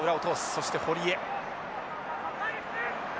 そして堀江。